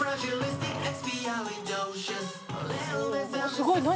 「すごい！何？